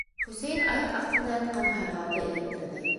Хөсәйен аяҡ аҫтында ятҡан һайғауҙы эләктерҙе.